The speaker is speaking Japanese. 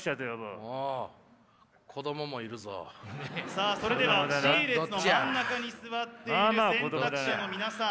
さあそれではＣ列の真ん中に座っている選択者の皆さん。